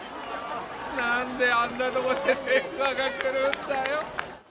なんであんなところで電話が来るんだよ。